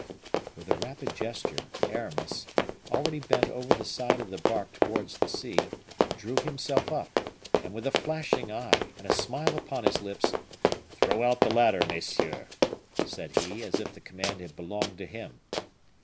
With a rapid gesture, Aramis already bent over the side of the bark towards the sea drew himself up, and with a flashing eye, and a smile upon his lips, "Throw out the ladder, messieurs," said he, as if the command had belonged to him.